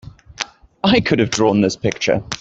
I could have drawn this picture!